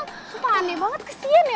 suka aneh banget kesian ya